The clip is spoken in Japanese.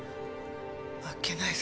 あっけない